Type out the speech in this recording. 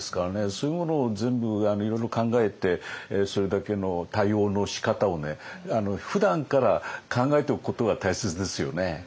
そういうものを全部いろいろ考えてそれだけの対応のしかたをふだんから考えておくことが大切ですよね。